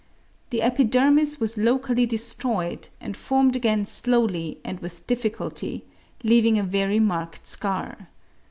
The epidermis was locally destroyed, and formed again slowly and with difficulty, leaving a very marked scar.